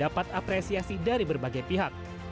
dapat apresiasi dari berbagai pihak